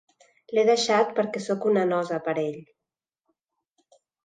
L'he deixat perquè soc una nosa per a ell.